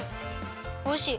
おいしい！